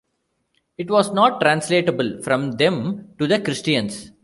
It was not translatable from them to the Christians.